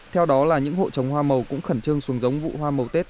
theo đó là những hộ trồng hoa màu cũng khẩn trương xuống giống vụ hoa màu tết